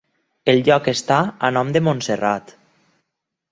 El lloc està a nom de Montserrat.